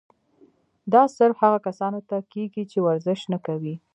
دا صرف هغه کسانو ته کيږي چې ورزش نۀ کوي